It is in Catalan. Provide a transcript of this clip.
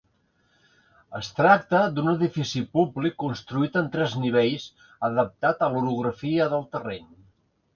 Es tracta d'un edifici públic construït en tres nivells adaptat a l'orografia del terreny.